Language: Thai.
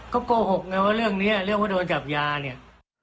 ก็โกหกไงว่าเรื่องนี้เรื่องว่าโดนจับยาเนี่ย